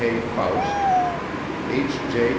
K. Faust, H. J.